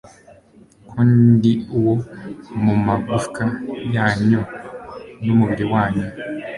ko ndi uwo mu magufwa yanyu n'umubiri wanyu